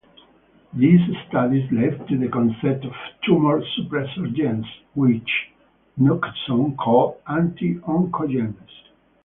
These studies led to the concept of tumor suppressor genes, which Knudson called anti-oncogenes.